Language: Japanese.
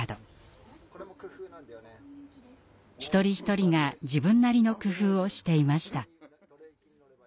一人一人が自分なりの工夫をしていました。